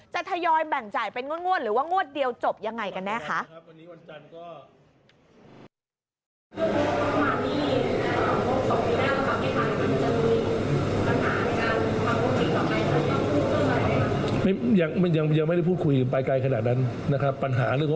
ทยอยแบ่งจ่ายเป็นงวดหรือว่างวดเดียวจบยังไงกันแน่คะ